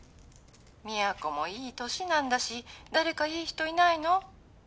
都もいい年なんだし誰かいい人いないの？